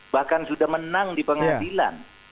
bahkan sudah menang di pengadilan